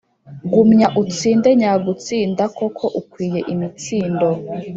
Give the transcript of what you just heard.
gumya utsinde nyagutsinda koko ukwiye imitsindo,